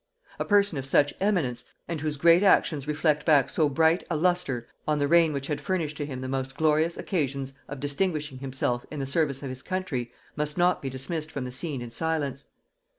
A person of such eminence, and whose great actions reflect back so bright a lustre on the reign which had furnished to him the most glorious occasions of distinguishing himself in the service of his country, must not be dismissed from the scene in silence.